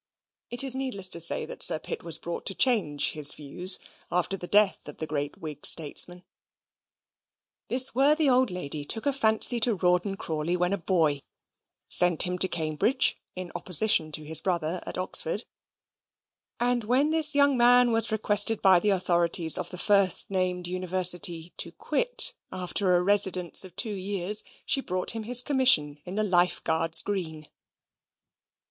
It is needless to say that Sir Pitt was brought to change his views after the death of the great Whig statesman. This worthy old lady took a fancy to Rawdon Crawley when a boy, sent him to Cambridge (in opposition to his brother at Oxford), and, when the young man was requested by the authorities of the first named University to quit after a residence of two years, she bought him his commission in the Life Guards Green.